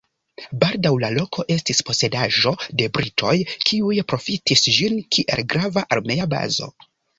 Baldaŭ la loko estis posedaĵo de britoj, kiuj profitis ĝin kiel grava armea bazo.